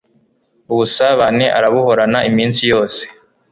ubusabane arabuhorana iminsi yose